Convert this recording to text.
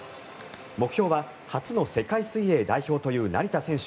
目標は初の世界水泳代表という成田選手。